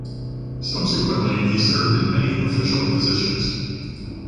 subsequently he served in many official positions.